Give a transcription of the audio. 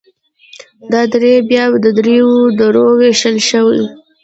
دا دره بیا په دریو درو ویشل شوي: